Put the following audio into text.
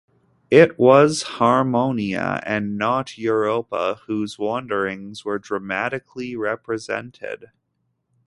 It was Harmonia and not Europa whose wanderings were dramatically represented.